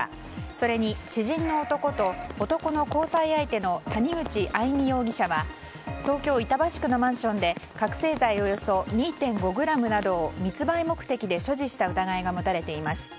それに知人の男と男の交際相手の谷口愛美容疑者は東京・板橋区のマンションで覚醒剤およそ２．５ｇなどを密売目的で所持した疑いが持たれています。